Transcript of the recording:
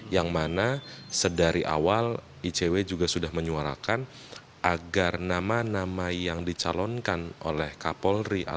yang mana sedari awal icw juga sudah menyuarakan agar nama nama yang dicalonkan oleh kapolri